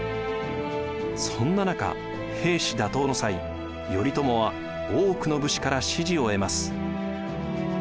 そんな中平氏打倒の際頼朝は多くの武士から支持を得ます。